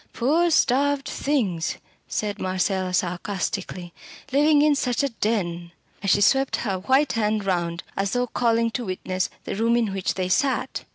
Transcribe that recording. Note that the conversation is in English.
"Poor starved things!" said Marcella sarcastically "living in such a den!" And she swept her white hand round, as though calling to witness the room in which they sat.